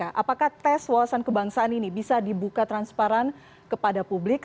apakah tes wawasan kebangsaan ini bisa dibuka transparan kepada publik